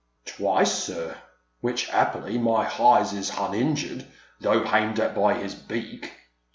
" Twice, sir, — which 'appily my h'eyes is hun injured, though h* aimed at by 'is beak."